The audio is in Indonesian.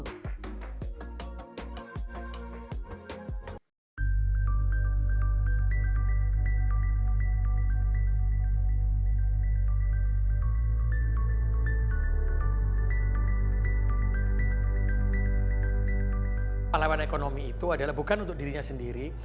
kepala ekonomi adalah bukan untuk dirinya sendiri